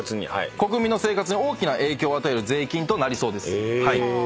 国民の生活に大きな影響を与える税金となりそうです。